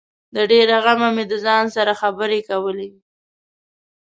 د ډېره غمه مې د ځان سره خبري کولې